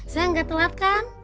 saya gak telat kan